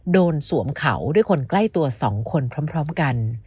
สวมเขาด้วยคนใกล้ตัว๒คนพร้อมกัน